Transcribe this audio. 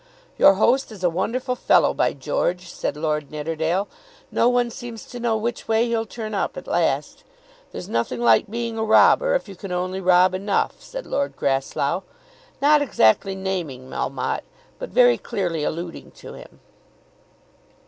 "Your host is a wonderful fellow, by George!" said Lord Nidderdale. "No one seems to know which way he'll turn up at last." "There's nothing like being a robber, if you can only rob enough," said Lord Grasslough, not exactly naming Melmotte, but very clearly alluding to him.